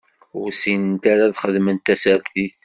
Ur ssinent ara ad xedment tasertit.